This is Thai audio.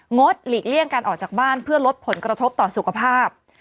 ดหลีกเลี่ยงการออกจากบ้านเพื่อลดผลกระทบต่อสุขภาพ